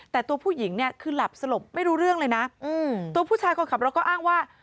แต่ตัวผู้หญิงเนี่ยคือหลับสลบไม่รู้เรื่องเลยนะตัวผู้ชายคนขับรถก็อ้างว่า